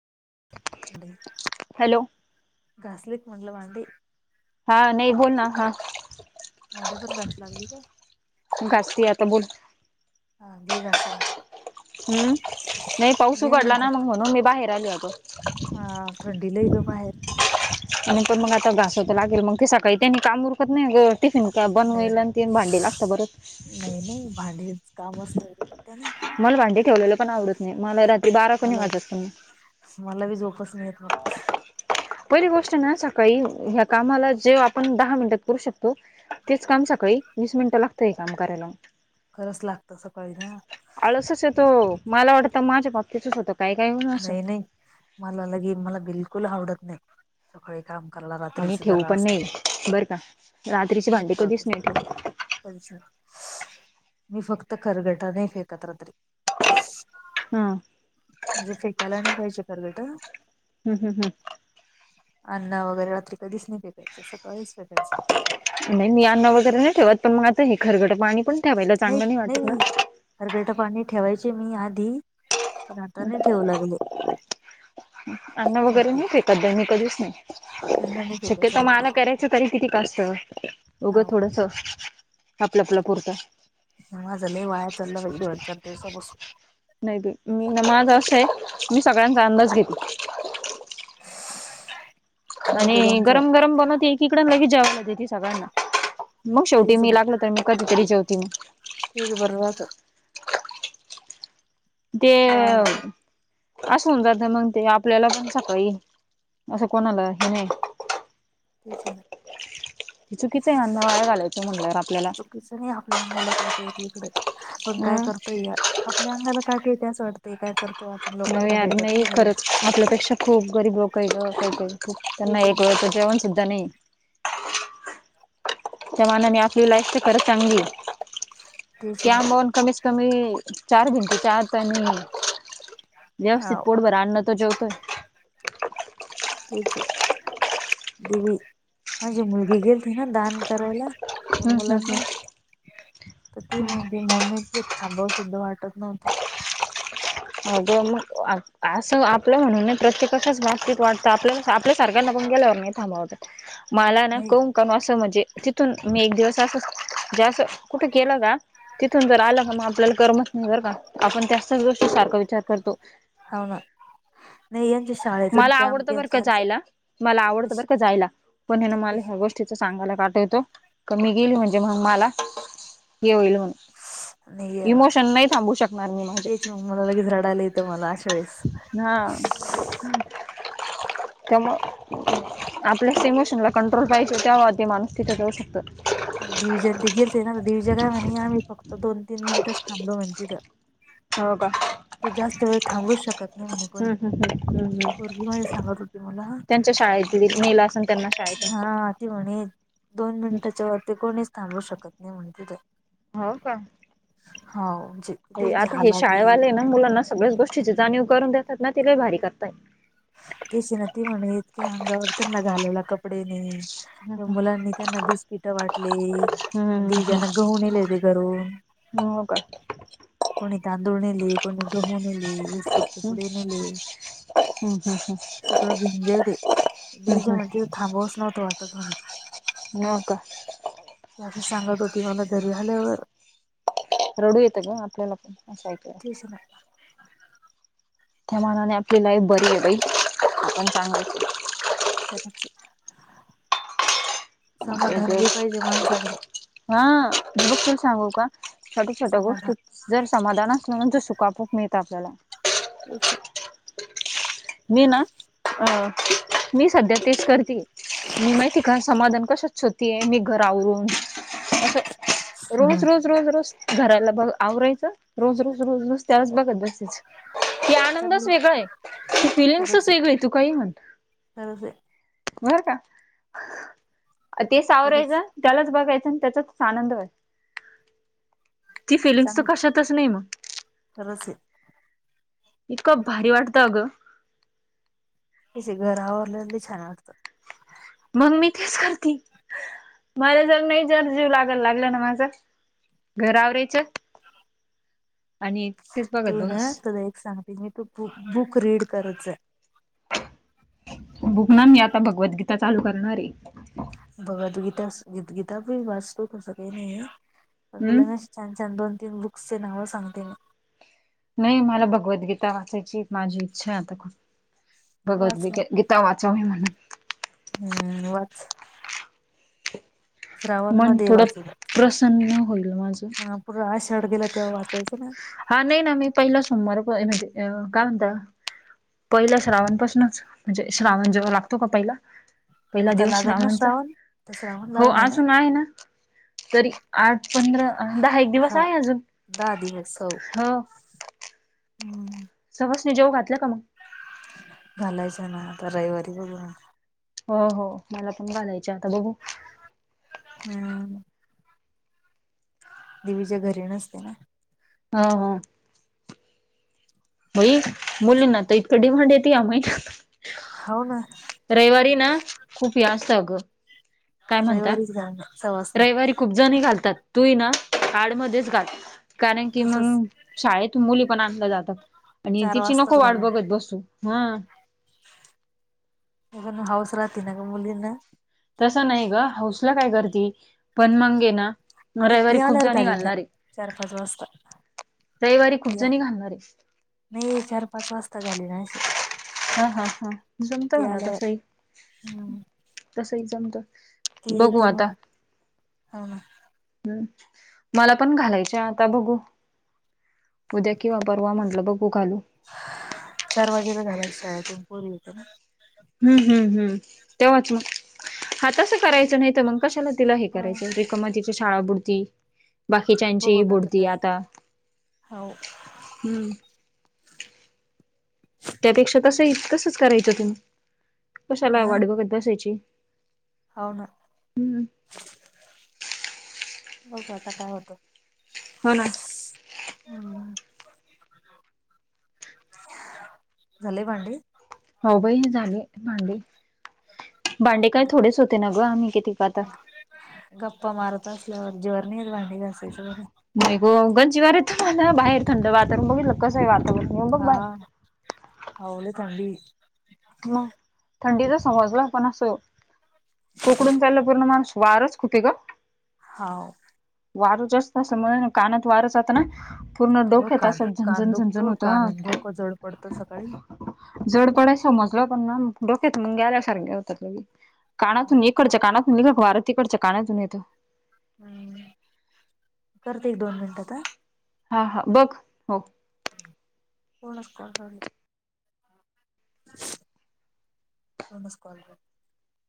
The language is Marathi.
हॅलो घासलेत म्हंटलं भांडी. हा नाही. बोल ना हा. भांडे पण घासू लागले काय? घासली आता बोल. हा दे घासून. हम्म. नाही पाऊस घे उघडला ना. म्हंटलं मग म्हणून मी बाहेर आली आता. हा थंडी लई ग बाहेर. आणि पण मग आता घासाव तर लागेल. मग ते सकाळी त्यांनी काम उरखत नाही ग. टिफिन का नाही बनवाईला नाही तेन भांडी घासा बर. नाही नाही भांडी कामच नाही त्याने मला भांडीे ठेवलेलं पण आवडत नाही. मला रात मला मला बी झोपच नाहीे येत मग. पहिली गोष्ट ना सकाळी ह्या कामाला जे आपण दहा मिनिटात करू शकतो. तेच काम सकाळी वीस मिनिटं लागत काम करायला. खरंच लागतं सकाळी ना. आळसच येतो मला वाटतं माझ्या बाबतीतच होत. नाही नाही. मला लगी मला बिलकुल आवडत नाही. सकाळी काम करायला आणि रात्रीच ठेवू जरा पण असलं नाही तर. बरं का रात्रीची भांडी कधीच नाही ठेवत मी फक्त खरगटा नाही फेकल तरी. हा. म्हणजे फेकायला नाही पाहिजे खरकटं. हं हम हम. अन्न वगैरे रात्री कधीच नाही फेकायचं सकाळीच फेकायचं. नाही मी अन्न वगैरे नाही ठेवत. पण मग आता हे खरगडं पाणी पण ठेवायला नाही चांगलं नाही. वाटत ना मी खरगट पाणी ठेवायचे मी आधी. पण आता नाही ठेवू लागले. अन्न काय वगैरे ते नाही तेे कध्या मी कधीच नाही. थंड नाही फेकायचं शक्यता मला रात्रीचे करायच तरी किती का असत. उघं हो थोडस आपल्या आपल्या पुरतं. सहा हजार लई वाया चालल बघ दोन चार दिवसा पासून. नाही मी माझ अस आहे मी सगळ्यांचा अंदाज घेते. माझं आणि दोन चार गरम गरम बनवते एकीकडे आणि लगेच जेवायला देते सगळ्यांना. मग शेवटी तेच मी लागल. त्यांनी कधीतरी जेवतील. तेच बर राहतं. ते वाया असं होऊन जात मग, ते आपल्याला पण सकाळी असं कोणाला हे नाही तेच आहे ना चुकीचंय अन्न वाया घालायचं म्हणल्यावर आपल्याला कस नाही, आपल्या अंगाला काट [inaudible] य इकडे पण काय हम् करतोय या आपल्या अंगाला काटे येते अस वाटते, काय कर न [inaudible] यार नाही खरंच, आपल्यापेक्षा खूप गरीब लोकय ग कायकाय खूप, तेच त्यांना ना एक वेळचं जेवण सुद्धा नाही त्यामानाने आपली लाईफ तर खरंच चांगलीय, तेच ना त्यामुळेन कमीच कमी चार भिंतीच्या आत आणि व्यवस्थित हा पोटभर अन्न तर जेवतोय. ते च दिवी [unintelligible] गेलती ना दान करायला. त्या हम्म हम्म हम्म मुलांना तर, ती म्हणती मम्मी तिथं थांबाव सुद्धा वाटत नव्हतं. अगं मग असं आपलं म्हणून नाही प्रत्येकाच्याच बाबतीत वाटतं. आपल्याला आपल्या सारख्यांना पण गेल्यावर नाही थांबाव वाटत. मला ना नाही को करण असं म्हणजे तिथून मी एक दिवस असंच, म्हणजे असं कुठे केलं का? तिथून जर आलं का, मग आपल्याला करमत नाही बर का, आपण त्यास त्यास गोष्टी सारखा विचार करतो. हाव ना. नाही यांच्या शाळेतून मला कॅम्प आवडतं गेल बर का त्यांचा जायला. मला आवडतं बर का जायला. पण हे ना मला या गोष्टी तिथ सांगायला काठा येतो का, मी गेली म्हणजे मग मला ये होईल म्हणून नाही यार, इमोशन नाही थांबू शकणार मी माझे तेच मला लगेच रडायला येत त मला अशा वेळेस. हा [inaudible] त्यामुळ आपल्यास इमोशनला कंट्रोल पाहिजे, त्यावा ते माणूस तिथे जाऊ शकतो. दिग्विजय न ते गेल ते ना दिग्विजय ला म्हणे आम्ही फक्त दोन, तीन मिनटच थांबलो म्हणे तिथ. हो काय? तर जास्त वेळ थांबूच शकत नाही म्हणे कोणी, हम्म हम्म हम्म पोरगी माझी सांगत होती मला त्यांच्या [unintelligible] [inaudible] शाळेतून हा ती म्हणे, दोन मिनिटाच्या वरती कोणीच थांबू शकत नाही म्हणे तिथं. हो का? हाव जे आता हे शाळेवाले ना मुलांना सगळ्याच गोष्टीची जाणीव करून देतात ना, ते लई भारी करतायत. तेच ना ती म्हणत होती, अंगावर त्यांना घालायला कपडे नाही. मग हम्म मुलांनी त्यांना बिस्किट वाटले. हम्म दिव्यान गहू न्हेले होते घरून [inaudible] हम्म हो काय? कोणी तांदूळ नेले, कोणी गहू नेले, बिस्किटचे पुडे नेले. हम्म, हम्म, हम्म. सगळं घेऊन गेलते, हम्म दिऊजा हम्म म्हणते थांबवच नव्हतं वाटत म्हणे. मग काय? ही अस सांगत होती, मला घरी आल्यावर. रडू येतं ग आपल्याला असं ऐकल्यावर. तेच ना. त्या मानाने आपली लाईफ बरीये बई आपण [inaudible] खरंच ये. ते ते माणसाकडे हा मी बघशील सांगू का? छोट छोट्या समाधान गोष्टीत जर समाधान असलं ना तर सुख आपोआप मिळत आपल्याला. तेचे. मी न अ मी सध्या तेच करती, मी माईती का समाधान कशात शोध् ते मी घरावरून असं हम्म रोज रोज रोज रोज घरायला बघ आवरायचं. रोज रोज रोज रोज त्यालाच बघत बसायचं ते चांगलं आनंदच वेगळाय. फिलिंग्स्च वेगळीय तू काई म्हण. खरंचे. बर का ते खरंच सावरायचं त्यालाच बघायचं आणि त्याच्यातच आनंद व्हय, ती फिलिंग्स त कशातच नई मंग. खरंचे. इतकं भारी वाटतं अगं. घर आवरल्यान बी छान वाटतं. मंग मी तेच सांगती मला जर नाही जर जीव लागायल लागला ना माझा घर आवरायचं आणि तेच बघत तू बस ना एक सांग मी तू बुक बुक रीड करत जा. बुक ना मी आता भगवद्गीता चालू करणारे. भगवद् गीताच् गीतगीताबी वाच तू तसं काय नी. पण हम्म तुला मी असं् छान छान दोन तीन बुक्स चे नावं सांगते मी. नई मला भगवद्गीता वाचायची माझी इच्छाय आता खूप वाच ना भगवद्गीता गीत् ता वाचव म्हणु हम्म वाच. श्रावण मन मदे थोडं वाचेल श्रा प्रसन्न होईल माझं. हा पूरा आशाड गेला तेव्हा वाचायचं ना. हा नई ना मी पईला सोमवार म्हणजे, काय म्हणता? पईला श्रावणपासनंच म्हणजे श्रावण जेव्हा लागतो का पईला पईला आता दिवस लागल ना स्रावांचा, श्रावण तर श्रावण हो लागल नाही अजून आहे ना. तरी आठ पंधरा अ दहा एक दिवस हा आहे अजून, दहा दिवस हो. हम्म. सवासनी जेवु घातल्या का मंग? घालायचं ना आता रईवारी बघुया. हो हो मला पण घालायच्या आता बघू. हम्म. दिवीजा घरी नसते ना. हं हं. बई मुलींना त इतकं डिमांड येते ह्या महीन्यात् हाव न. रईवारी ना खूप या अस्त अगं. काय म्हणता रईवारीची घाल न सवासनी. रविवारी खूप जणी घालतात तू ये न आडमध्येच घाल. कारण की तसच मंग, शाळेतुन मुली पण, आणल्या जातात. आणि चार तिची वाजताच नको वाट घालण बघत बसू, हं. होण हाऊस राहती ना ग, मुलींना तसं नाही गं, हाऊसला काय करती, पण मंग ये ना नही ती रविवारी खूप आल्यावर जणी घालणार आहे [unintelligible] चार-पाच वाजता रविवारी खुपजनी घालणार ये. नही, चार-पाच वाजता घालीन म्या अशी हां हां हां, जमत ती म्हना आल्यावर तसही, हम्म तसही जमत ती बघू येते आता मग हो ना हम्, माला पण घालायच्या, आता बघु उद्या किंवा परवा, म्हटलं बघु, घालु चार वाजेला घालाय, शाळेतून पोरीं येती ना हम् हम्म हम्, तेव्हाच मंग, हां तसं करायचं, नही तर मग कशाला, तिला हे करायचं, रि काम तिची शाळा बुडती, बाकीच्यांची बघू ना बुडती काय आता. अ हुम्म. त्यापेक्षा तसही, तसंच करायचं तुम्ही, कशाला वाट बघत बसायची. हवना. हम्म बघु आता, काय होतं. हो ना. ह्म. झाले भांडे? हो बई झाले भांडे, भांडे काय थोडेच होते ना गं, आम्ही किती क आता. गप्पा मारत असल्यावर, जीवावर नही येत भांडे घासायचं, बर नाही ग, गंज जीवार येत माला, बाहेर थंड वातावरण बघितलं का, कसं ये वातावरण, येऊन बघ बाहेर. हो लई थंडी म थंडीच समजल, पण अस कोकडून चाललं, पुर्ण माणूस, वारच खूप ये गं. हाव. वारं जास्त असल्यामुळ ना, कानात वारं जात ना पूर्ण अगं डोक्यात कान अस, कान झण-झण-झण-झण दुखतो कान होतं, आणि डोकं जड पडतं अ सकाळी. जड पडाय समजलं, पण ना डोक्यात मुंग्या आल्यासारख्या होतात लगेच, हाव. कानातून एक इकडच्या कानातुन गेलं का वार, तिकडच्या कानातून येतो हम्, करते ये दोन मिनटातं हं. हा हा, बघ, हो. कों असतं घरी? म्हणूनच कॉल के